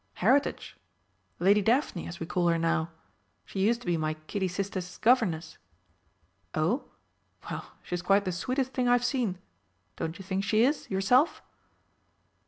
"Heritage Lady Daphne, as we call her now. She used to be my kiddie sister's governess." "Oh? Well, she's quite the sweetest thing I've seen don't you think she is, yourself?"